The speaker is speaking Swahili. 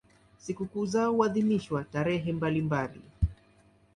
Sikukuu zao huadhimishwa tarehe mbalimbali.